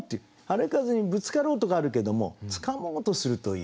春風にぶつかろうとかあるけどもつかもうとするという。